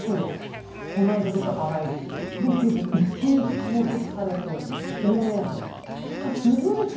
この間出たバラエティロケで一日拘束されてオンエア尺たった数秒ですよ。